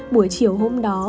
buổi chiều hôm đó